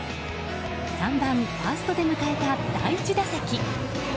３番ファーストで迎えた第１打席。